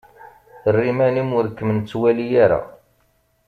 Err iman-im ur kem-nettwali ara.